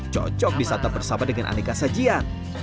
cocok disantap bersama dengan aneka sajian